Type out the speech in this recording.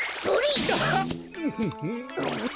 それっ！